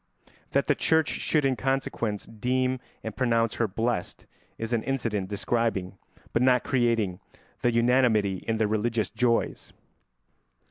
That the Church should in consequence deem and pronounce her blessed is an incident describing, but not creating, the unanimity in their religious joys.